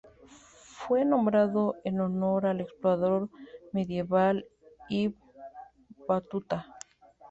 Fue nombrado en honor al explorador medieval Ibn Battuta.